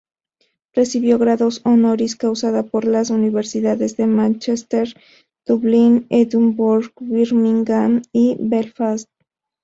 Recibió grados honoris causa por las universidades de Manchester, Dublin, Edinburgh, Birmingham y Belfast.